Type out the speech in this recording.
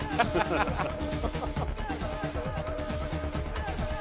ハハハハ！